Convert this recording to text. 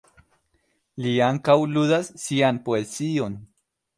Li ankaŭ ludas sian poezion.